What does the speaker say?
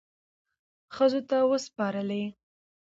ښځو ته وسپارلې،